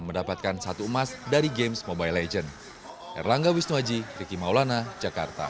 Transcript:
mendapatkan satu emas dari games mobile legends